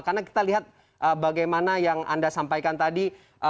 karena kita lihat bagaimana yang anda sampaikan tadi